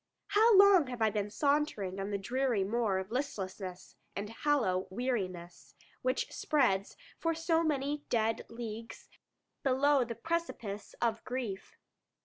How long have I been sauntering on the dreary moor of listlessness and hollow weariness, which spreads, for so many dead leagues, below the precipice of grief?